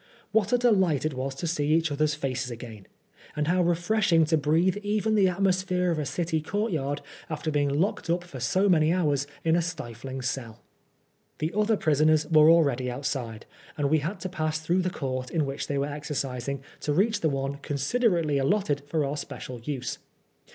What a delight it was to see each other's faces again I And how refreshing to breathe even the atmosphere of a City courtyard after being locked up for so many hours in a stifling cell. The other prisoners were already outside, and we had to pass through the court in which they were exer cising to reach the one considerately allotted for our special use.